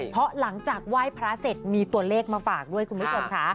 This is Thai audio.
เพราะหลังจากไหว้พระเสร็จมีตัวเลขมาฝากด้วยคุณผู้ชมค่ะ